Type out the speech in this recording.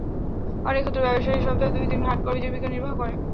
অনেক ক্ষুদ্র ব্যবসায়ীরা সপ্তাহে দুই দিন হাট করে জীবিকা নির্বাহ করে।